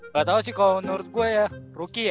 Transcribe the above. gatau sih kalo menurut gue ya rookie ya